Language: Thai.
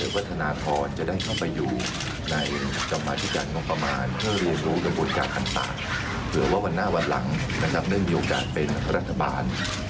ไม่มีความกังวล